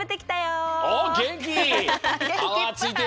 おっげんき！